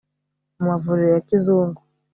mu mavuriro ya kizungu